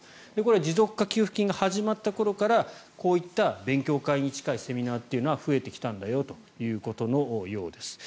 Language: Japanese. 持続化給付金が始まった頃からこういった勉強会に近いセミナーというのは増えてきたんだよということのようです。